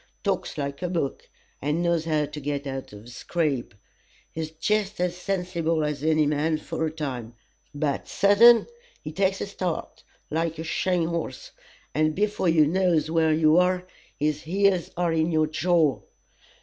Talks like a book, and knows how to get out of a scrape, is jest as sensible as any man for a time, but, sudden, he takes a start, like a shying horse, and before you knows where you are, his heels are in your jaw.